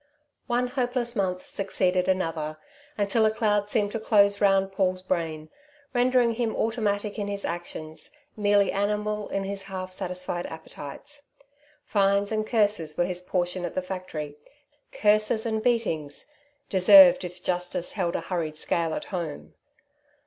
One hopeless month succeeded another, until a cloud seemed to close round Paul's brain, rendering him automatic in his actions, merely animal in his half satisfied appetites. Fines and curses were his portion at the factory; curses and beatings deserved if Justice held a hurried scale at home.